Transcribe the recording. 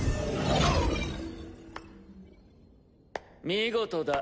見事だ。